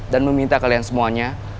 dan meminta kalian semuanya